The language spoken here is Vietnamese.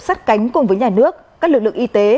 sát cánh cùng với nhà nước các lực lượng y tế